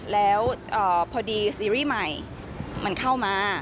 แล้วพอดีซีรีส์ใหม่มันเข้ามา